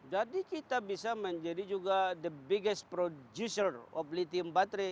jadi kita bisa menjadi juga the biggest producer of lithium battery